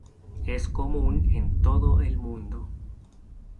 Es común en todo el mundo.